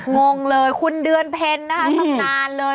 งงเลยคุณเดือนเพนต์น่าสำนาญเลย